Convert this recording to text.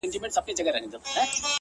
ټولو په لپو کي سندرې _ دې ټپه راوړې _